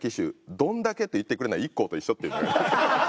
「どんだけ！」と言ってくれないＩＫＫＯと一緒っていう。